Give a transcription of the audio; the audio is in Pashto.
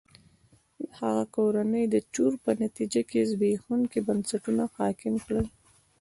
د هغه کورنۍ د چور په نتیجه کې زبېښونکي بنسټونه حاکم کړل.